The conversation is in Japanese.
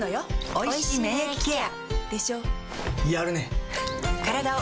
おいしい免疫ケア